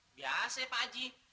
biasa pak haji